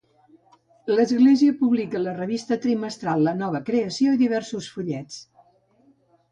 L'església publica la revista trimestral La nova creació i diversos fullets.